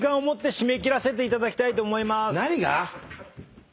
何が？